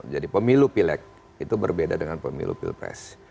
jadi pemilu pileg itu berbeda dengan pemilu pilpres